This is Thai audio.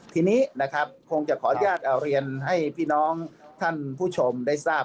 ทีนี้นะครับคงจะขออนุญาตเรียนให้พี่น้องท่านผู้ชมได้ทราบ